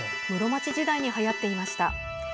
室町時代にはやっていました。